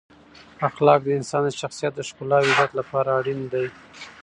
اخلاق د انسان د شخصیت د ښکلا او عزت لپاره اړین دی.